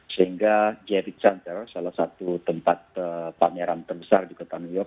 sehingga gary center salah satu tempat pameran terbesar di kota new york